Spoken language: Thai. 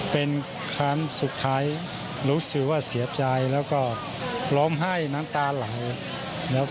เป็นครั้งสุดท้ายรู้สึกว่าเสียใจแล้วก็ร้องไห้น้ำตาไหล